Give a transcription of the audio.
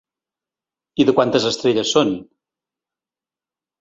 I de quantes estrelles son?